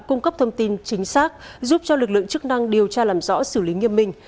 cung cấp thông tin chính xác giúp cho lực lượng chức năng điều tra làm rõ xử lý nghiêm minh